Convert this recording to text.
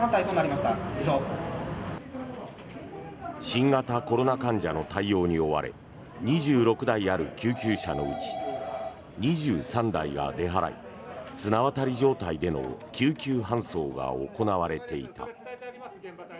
新型コロナ患者の対応に追われ２６台ある救急車のうち２３台が出払い綱渡り状態での救急搬送が行われていた。